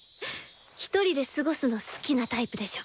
ひとりで過ごすの好きなタイプでしょ？